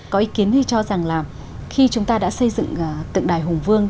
có ý kiến thì cho rằng là khi chúng ta đã xây dựng tượng đài hùng vương